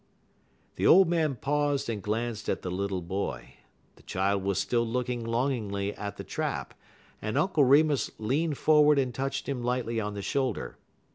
The old man paused and glanced at the little boy. The child was still looking longingly at the trap, and Uncle Remus leaned forward and touched him lightly on the shoulder.